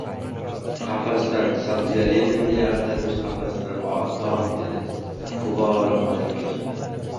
Qafasdan… sotsializm deya atalmish qafasdan dod dedi, fig‘oni falakka chiqdi.